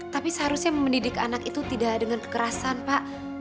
tapi seharusnya mendidik anak itu tidak dengan kekerasan pak